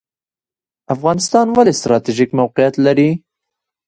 افغانستان ولې ستراتیژیک موقعیت لري؟